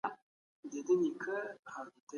بنسټيز ځواک سياسي سيستم پياوړی کوي